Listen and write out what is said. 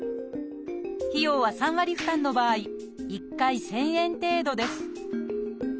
費用は３割負担の場合１回１，０００円程度です